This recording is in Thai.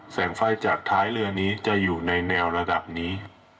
แสงไฟจากท้ายเรือนี้จะอยู่ในแนวระดับนี้